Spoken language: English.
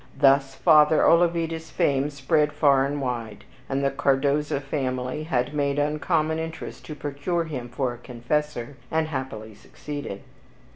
Thus Father Olavida's fame spread far and wide, and the Cardoza family had made uncommon interest to procure him for a Confessor, and happily succeeded.